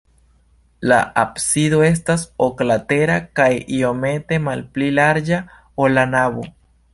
La absido estas oklatera kaj iomete malpli larĝa, ol la navo.